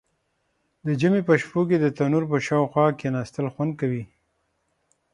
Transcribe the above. د ژمي په شپو کې د تندور په شاوخوا کیناستل خوند کوي.